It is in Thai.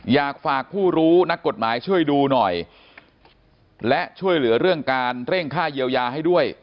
อยากฝากผู้รู้นักกฎหมายช่วยดูหน่อยและช่วยเหลือเรื่องการเร่งค่าเยียวยาให้ด้วย